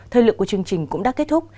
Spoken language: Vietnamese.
thời lượng của chương trình cũng đã kết thúc